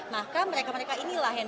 maka mereka mereka inilah yang